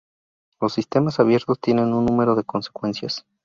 Los sistemas abiertos tienen un número de consecuencias.